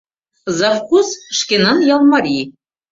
— Завхоз, шкенан ял марий.